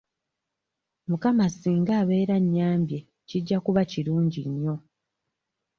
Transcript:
Mukama singa abeera annyambye kijja kuba kirungi nnyo.